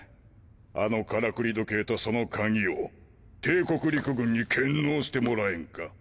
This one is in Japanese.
あのからくり時計とその鍵を帝国陸軍に献納してもらえんか？